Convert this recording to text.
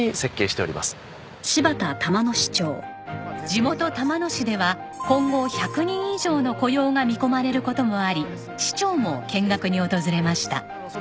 地元玉野市では今後１００人以上の雇用が見込まれる事もあり市長も見学に訪れました。